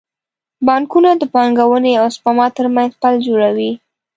بانکونه د پانګونې او سپما ترمنځ پل جوړوي.